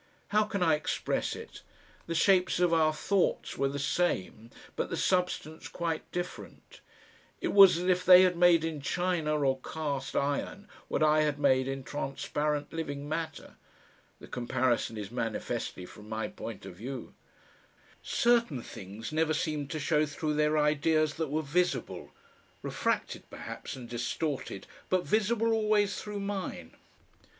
How can I express it? The shapes of our thoughts were the same, but the substance quite different. It was as if they had made in china or cast iron what I had made in transparent living matter. (The comparison is manifestly from my point of view.) Certain things never seemed to show through their ideas that were visible, refracted perhaps and distorted, but visible always through mine.